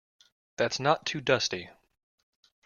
That's not too dusty.